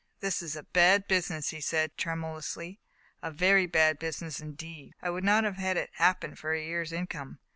" This is a bad business,*' he said tremulously. "A very bad business, indeed ; I would not have had it happen for a year*s income.